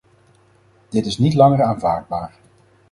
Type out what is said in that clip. Dit is niet langer aanvaardbaar.